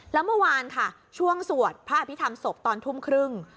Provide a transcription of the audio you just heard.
แล้วเมื่อวานค่ะช่วงสวดพระอภิษฐรรมศพตอนทุ่มครึ่ง